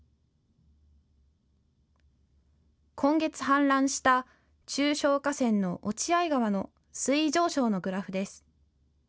今月、氾濫した中小河川の落合川の水位上昇のグラフです。